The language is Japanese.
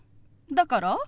だから？